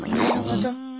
なるほど。